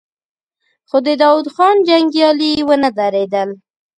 خو د داوود خان جنګيالي ونه درېدل.